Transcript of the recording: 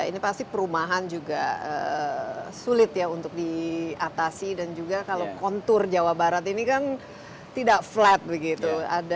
ini pasti perumahan juga sulit ya untuk diatasi dan juga kalau kontur jawa barat ini kan tidak flat begitu